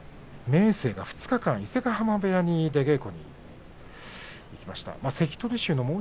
明生が２日間伊勢ヶ濱部屋に出稽古に行きました。